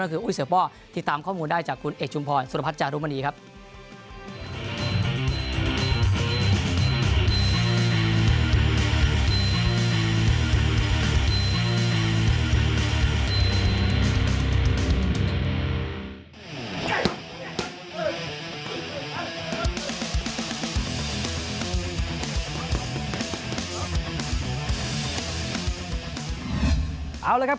ก็คืออุ้ยเสือป้อติดตามข้อมูลได้จากคุณเอกชุมพรสุรพัฒน์จารุมณีครับ